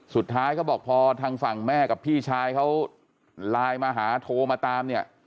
เขาบอกพอทางฝั่งแม่กับพี่ชายเขาไลน์มาหาโทรมาตามเนี่ย